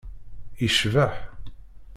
Yecbeḥ.